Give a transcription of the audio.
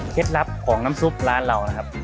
ลับของน้ำซุปร้านเรานะครับ